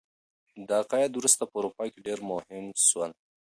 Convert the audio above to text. دا عقاید وروسته په اروپا کي ډیر مهم سول.